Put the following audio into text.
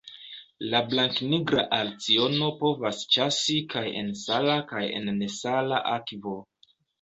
La Blanknigra alciono povas ĉasi kaj en sala kaj en nesala akvo.